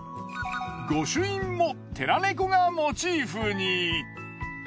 御朱印も寺猫がモチーフに。